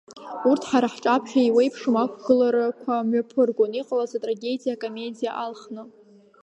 Урҭ ҳара ҳҿаԥхьа еиуеиԥшым ақәгыларақәа мҩаԥыргон, иҟалаз атрагедиа акомедиа алхны…